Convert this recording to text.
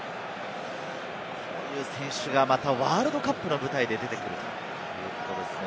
こういう選手がまたワールドカップの舞台で出てくるんですね。